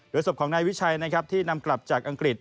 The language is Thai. โดยศพของนายวิชัยที่นำกลับจากอังกฤษ